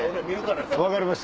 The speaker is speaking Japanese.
分かりました。